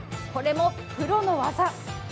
これもプロの技。